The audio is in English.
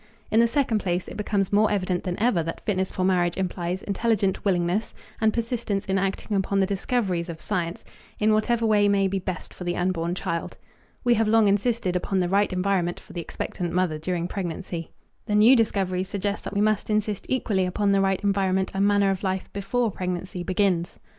In the second place, it becomes more evident than ever that fitness for marriage implies intelligent willingness and persistence in acting upon the discoveries of science in whatever way may be best for the unborn child. We have long insisted upon the right environment for the expectant mother during pregnancy. The new discoveries suggest that we must insist equally upon the right environment and manner of life before pregnancy begins.